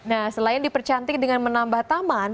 nah selain dipercantik dengan menambah taman